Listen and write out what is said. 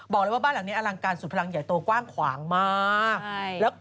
บอกเลยว่าบ้านหลังนี้อลังการสุดพลังใหญ่โตกว้างขวางมาก